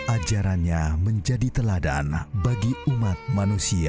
ajarannya menjadi teladan bagi umat manusia